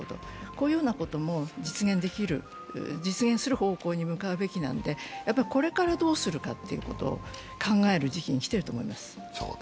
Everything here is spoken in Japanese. こういうことも実現する方向に向かうべきなんでこれからどうするかということを考える時期に来ていると思います。